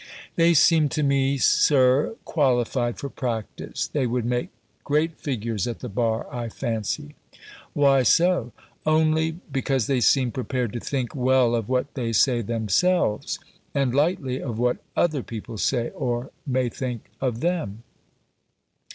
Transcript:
"They seem to me. Sir, qualified for practice: they would make great figures at the bar, I fancy." "Why so?" "Only, because they seem prepared to think well of what they say themselves; and lightly of what other people say, or may think, of them."